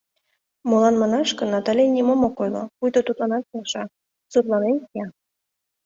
Молан манаш гын, Натали нимом ок ойло, пуйто тудланат келша, сурланен кия.